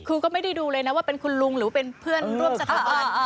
คือก็ไม่ได้ดูเลยนะว่าเป็นคุณลุงหรือเป็นเพื่อนร่วมสถาบัน